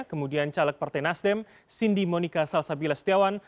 kemudian caleg partai nasdem cindy monika salsabila setiawan